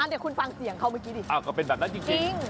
เดี๋ยวคุณฟังเสียงเขาเมื่อกี้ดิอ้าวก็เป็นแบบนั้นจริง